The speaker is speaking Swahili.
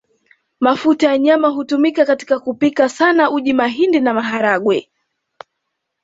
Mafuta ya nyama hutumika katika kupika sana uji mahindi na maharagwe